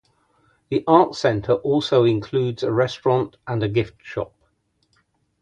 The Art Center also includes a restaurant and a gift shop.